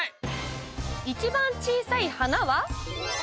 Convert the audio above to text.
一番、小さい「はな」は。